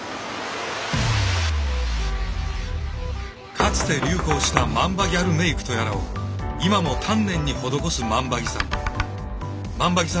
かつて流行したマンバギャルメイクとやらを今も丹念に施す万場木さん。